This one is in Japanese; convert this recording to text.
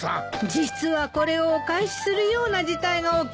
実はこれをお返しするような事態が起きまして。